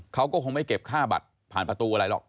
เขาก็คงไม่เก็บค่าบัตรผ่านประตูอะไรหรอก